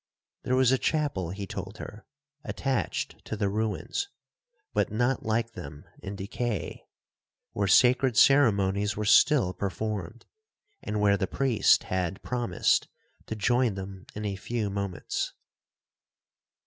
There was a chapel, he told her, attached to the ruins, but not like them in decay, where sacred ceremonies were still performed, and where the priest had promised to join them in a few moments.